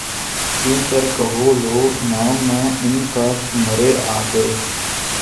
کیوں کر کہوں لو نام نہ ان کا مرے آگے